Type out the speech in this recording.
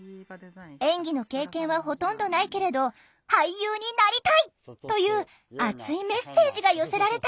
演技の経験はほとんどないけれど俳優になりたいという熱いメッセージが寄せられた